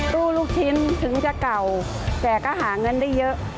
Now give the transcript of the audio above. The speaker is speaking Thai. ลูกชิ้นถึงจะเก่าแต่ก็หาเงินได้เยอะ